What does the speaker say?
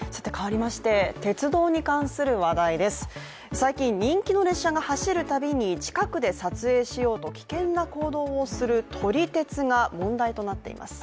最近、人気列車が走るたびに近くで撮影しようと危険な行動をする撮り鉄が問題となっています。